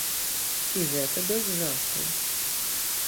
І гэта без жартаў.